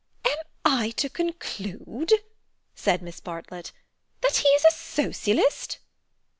"Am I to conclude," said Miss Bartlett, "that he is a Socialist?"